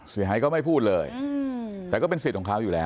หายก็ไม่พูดเลยแต่ก็เป็นสิทธิ์ของเขาอยู่แล้ว